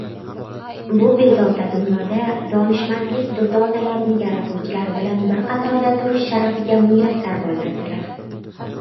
— bu bezovta dunyoda donishmandlik durdonalarini yaratuvchilar bilan bir qatorda turish sharafiga muyassar bo‘ladilar.